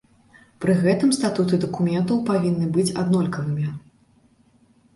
Пры гэтым статуты дакументаў павінны быць аднолькавымі.